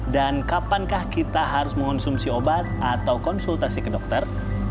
dan kapan kita harus mengonsumsi obat atau konsultasi ke dokter